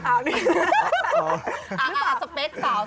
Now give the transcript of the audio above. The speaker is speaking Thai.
สาวในสเปกชอบแบบไหน